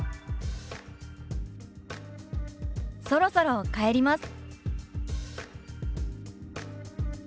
「そろそろ帰ります」。